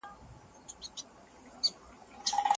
سیاسي پرمختګونه د ټولنې په ګټه تمام سوي دي.